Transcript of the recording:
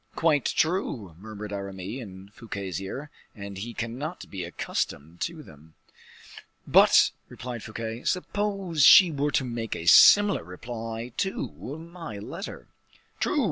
"Quite true," murmured Aramis in Fouquet's ear, "and he cannot be accustomed to them." "But," replied Fouquet, "suppose she were to make a similar reply to my letter." "True!"